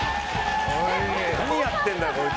何やってんだよ、こいつ。